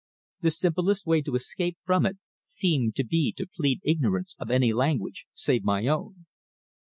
The simplest way to escape from it seemed to be to plead ignorance of any language save my own."